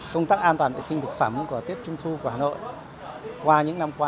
công tác an toàn thực phẩm của tết trung thu của hà nội qua những năm qua